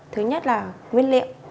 thứ nhất là nguyên liệu